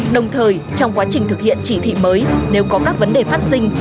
đồng thời trong quá trình thực hiện chỉ thị mới nếu có các vấn đề phát sinh